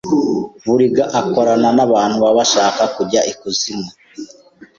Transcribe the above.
BURIGA akorana n’abantu baba bashaka kujya i kuzimu